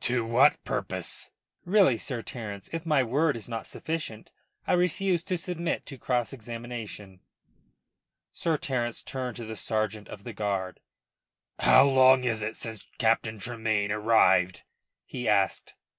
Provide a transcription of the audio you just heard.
"To what purpose?" "Really, Sir Terence, if my word is not sufficient, I refuse to submit to cross examination." Sir Terence turned to the sergeant of the guard, "How long is it since Captain Tremayne arrived?" he asked.